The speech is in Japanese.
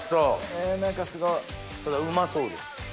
え何かすごい。うまそうです。